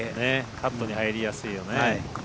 カットに入りやすいよね。